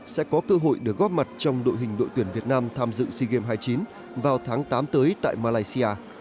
sẽ có cơ hội được góp mặt trong đội hình đội tuyển việt nam tham dự sea games hai mươi chín vào tháng tám tới tại malaysia